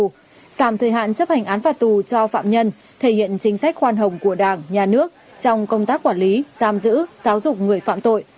giảm thời hạn chấp hành án phạt tù cho phạm nhân thể hiện chính sách khoan hồng của đảng nhà nước trong công tác quản lý giam giữ giáo dục người phạm tội